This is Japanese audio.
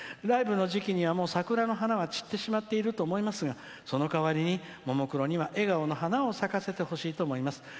ライブの時期には、桜の花は散ってしまっていると思いますがその代わりにももクロには笑顔の花を咲かせてほしいと思います。